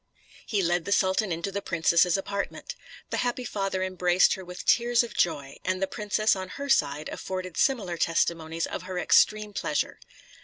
He led the sultan into the princess's apartment. The happy father embraced her with tears of joy; and the princess, on her side, afforded similar testimonies of her extreme pleasure.